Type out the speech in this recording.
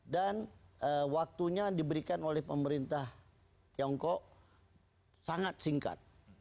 dan waktunya diberikan oleh pemerintah tiongkok sangat singkat